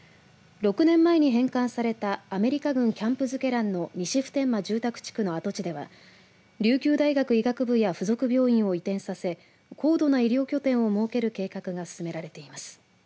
６年前に返還されたアメリカ軍キャンプ瑞慶覧の西普天間住宅地区の跡地では琉球大学医学部や付属病院を移転させ高度な医療拠点を設ける計画が進められています。